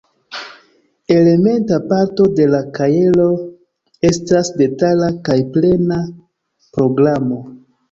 Elementa parto de la kajero estas detala kaj plena programo.